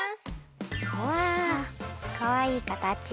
うわかわいいかたち！